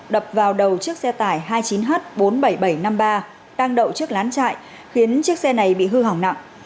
đập vào đầu chiếc xe tải hai mươi chín h bốn mươi bảy nghìn bảy trăm năm mươi ba đang đậu trước lán chạy khiến chiếc xe này bị hư hỏng nặng